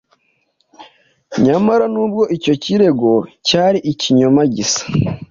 Nyamara nubwo icyo kirego cyari ikinyoma gisa,